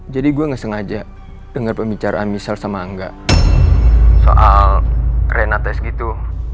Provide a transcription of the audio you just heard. jadi gue ngesengaja denger pembicaraan michelle sama angga soal rena tes gitu